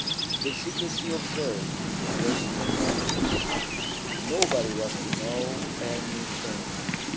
The secrecy observed was tremendous. Nobody was to know anything.